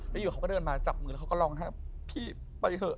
แล้วอยู่เขาก็เดินมาจับมือแล้วเขาก็ร้องไห้พี่ไปเถอะ